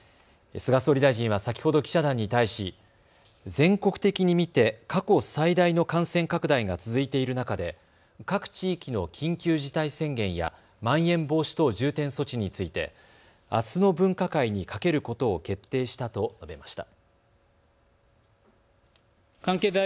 菅総理大臣は先ほど記者団に対し全国的に見て過去最大の感染拡大が続いている中で各地域の緊急事態宣言やまん延防止等重点措置についてあすの分科会にかけることを決定したと述べました。